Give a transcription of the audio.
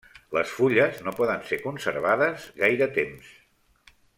Les fulles no poden ser conservades gaire temps.